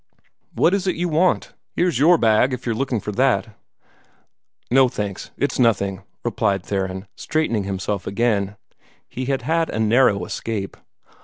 "What is it you want? Here's your bag, if you're looking for that," this man said to him. "No, thanks; it's nothing," replied Theron, straightening himself again. He had had a narrow escape.